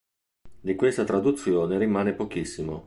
Di questa traduzione rimane pochissimo.